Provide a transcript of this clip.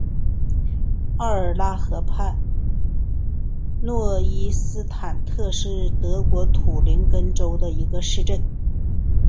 奥尔拉河畔诺伊斯塔特是德国图林根州的一个市镇。